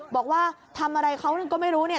บอกว่าทำอะไรเขาก็ไม่รู้เนี่ย